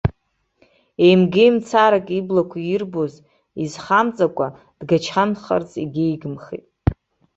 Еимгеимцарак иблақәа ирбоз изхамҵакәа, дгачамкӡарц егьааигымхеит.